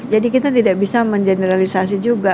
jadi kita tidak bisa menjeneralisasi juga